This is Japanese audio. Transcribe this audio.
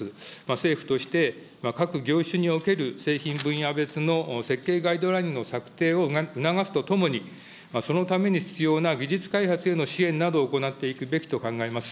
政府として各業種における製品分野別の設計ガイドラインの策定を促すとともに、そのために必要な技術開発への支援などを行っていくべきと考えます。